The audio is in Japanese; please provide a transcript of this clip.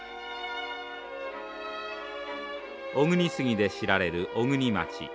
小国杉で知られる小国町。